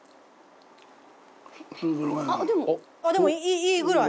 でもいいぐらい！